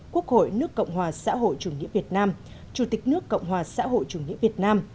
quốc hội nước cộng hòa xã hội chủ nghĩa việt nam chủ tịch nước cộng hòa xã hội chủ nghĩa việt nam